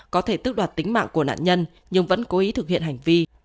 có thể tước đoạt tính mạng của nạn nhân nhưng vẫn cố ý thực hiện hành vi